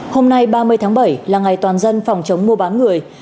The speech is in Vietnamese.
hôm nay ba mươi tháng bảy là ngày toàn dân phòng chống mua bán người